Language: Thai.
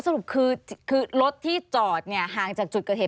อ๋อสรุปคือรถที่จอดห่างจากจุดเกิดเหตุ